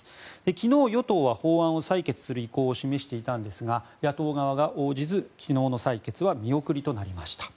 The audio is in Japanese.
昨日、与党は法案を採決する意向を示していたんですが野党側が応じず、昨日の採決は見送りとなりました。